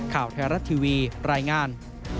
ข่าวไทยรัฐทีวีรายงาน